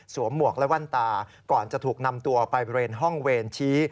หมวกและแว่นตาก่อนจะถูกนำตัวไปบริเวณห้องเวรชี้